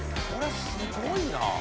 これすごいな！